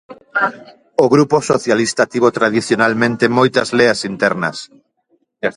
O grupo socialista tivo tradicionalmente moitas leas internas.